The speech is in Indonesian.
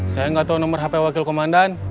saya nggak tahu nomor hp wakil komandan